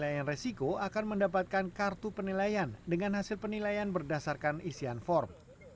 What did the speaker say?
penilaian resiko akan mendapatkan kartu penilaian dengan hasil penilaian berdasarkan isian form